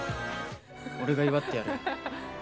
俺が祝ってやる。